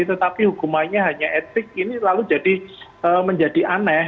tetapi hukumannya hanya etik ini lalu menjadi aneh